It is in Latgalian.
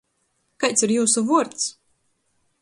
Kaids ir jiusu vuords?